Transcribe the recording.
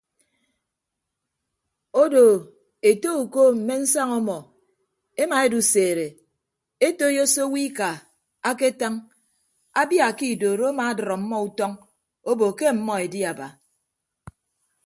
Odo ete uko mme nsaña ọmọ emaeduseede etoiyo se owo ika aketañ abia ke idoro amadʌd ọmmọ utọñ obo ke ọmmọ edi aba.